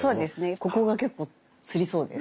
ここが結構つりそうです。